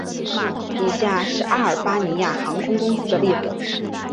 以下是阿尔巴尼亚航空公司的列表